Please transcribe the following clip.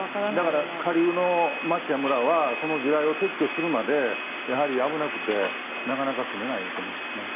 だから下流の街や村はその地雷を撤去するまでやはり、危なくてなかなか住めないと思います。